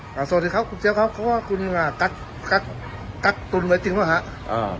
สวัสดีครับคุณเจียวครับเขาว่าคุณกัดตุ้นไว้จริงหรือเปล่าครับ